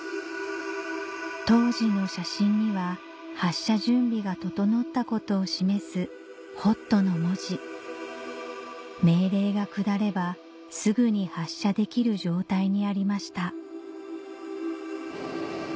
当時の写真には発射準備が整ったことを示す「ＨＯＴ」の文字命令が下ればすぐに発射できる状態にありました